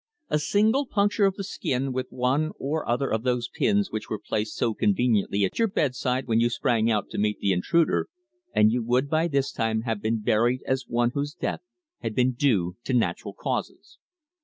A single puncture of the skin with one or other of those pins which were placed so conveniently at your bedside when you sprang out to meet the intruder, and you would by this time have been buried as one whose death had been due to natural causes!"